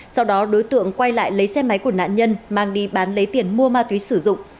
sau đó đối tượng quay lại lấy xe máy của nạn nhân mang đi bán lấy tiền mua ma túy sử dụng